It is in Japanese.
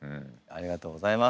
ありがとうございます。